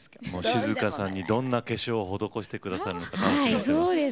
静香さんにどんな化粧を施して下さるのか楽しみにしてます。